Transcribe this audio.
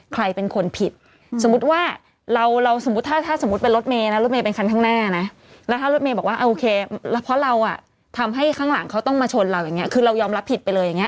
ใครเป็นคนผิด